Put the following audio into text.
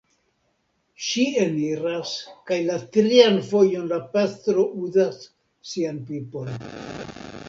Ŝi eniras kaj la trian fojon la pastro uzas sian pipon...